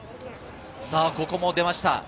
ここも出ました。